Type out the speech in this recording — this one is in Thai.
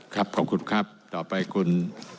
ขอบคุณครับต่อไปคุณ